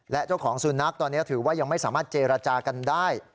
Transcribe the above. และเจ้าของสุนัขตอนนี้ถือว่ายังไม่สามารถเจรจากันได้